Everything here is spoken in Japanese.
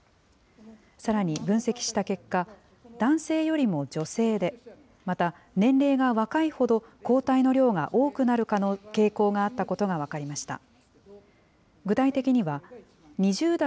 さらに分析した結果、男性よりも女性で、また年齢が若いほど抗体の量が多くなる傾向があったことが分かりました。